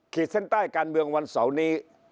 เส้นใต้การเมืองวันเสาร์นี้